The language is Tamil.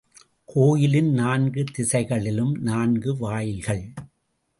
கோயிலின் நான்கு திசைகளிலும் நான்கு வாயில்கள்.